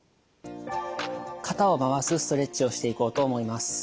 肩を回すストレッチをしていこうと思います。